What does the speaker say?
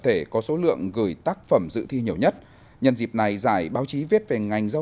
thể có số lượng gửi tác phẩm dự thi nhiều nhất nhân dịp này giải báo chí viết về ngành giao